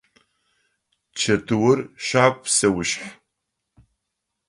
Чэтыур – щагу псэушъхь.